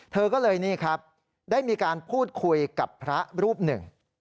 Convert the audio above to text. เธอก็เลยนี่ครับได้มีการพูดคุยกับพระรูปหนึ่ง